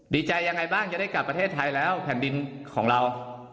ดีใจยังไงบ้างจะได้กลับประเทศไทยแล้วแผ่นดินของเรา